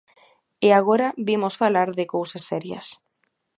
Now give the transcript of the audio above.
E agora vimos falar de cousas serias.